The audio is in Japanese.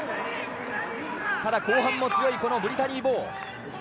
ただ、後半も強いブリタニー・ボウ。